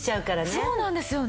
そうなんですよね。